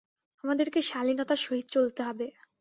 আমাদেরকে শালীনতার সহিত চলতে হবে।